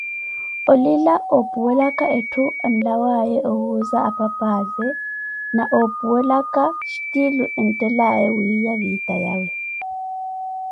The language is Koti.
Olila, ophuwelaka eethu yolawa owuuza apapaze, na ophuwelaka xhtilu enthelaye wiiya vitayawe